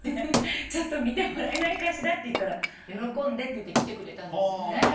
ちょっと見てもらえないかしらって言ったら喜んでって来てくれたんですよね。